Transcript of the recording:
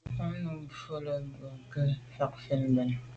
Bam num njù njwèle mbèn nke nfà’ fà’ ben.